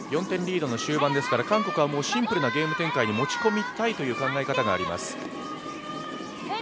４点リードの終盤ですから、韓国はシンプルなゲーム展開に持ち込みたいという考え方があります。